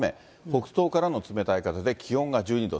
北東からの冷たい風で気温が１２度。